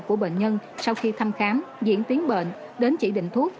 của bệnh nhân sau khi thăm khám diễn tiến bệnh đến chỉ định thuốc